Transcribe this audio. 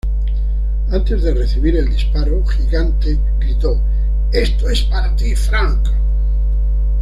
Antes de recibir el disparo, Gigante gritó "¡Esto es para ti, Frank!